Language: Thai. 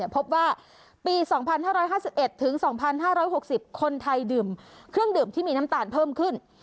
พบว่าปี๒๕๕๑ถึง๒๕๖๐คนไทยดื่มเครื่องดื่มที่มีน้ำตาลเพิ่มขึ้น